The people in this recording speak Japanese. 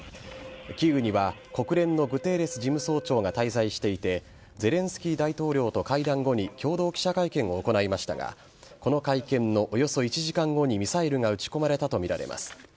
キーウには国連のグテーレス事務総長が滞在していてゼレンスキー大統領と会談後に共同記者会見を行いましたがこの会見のおよそ１時間後にミサイルが撃ち込まれたとみられます。